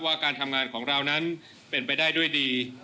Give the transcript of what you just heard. ว่าการทำงานของเรานั้นเป็นไปได้ด้วยดี